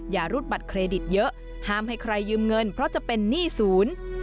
อย่ารูดบัตรเครดิตเยอะห้ามให้ใครยืมเงินเพราะจะเป็นหนี้ศูนย์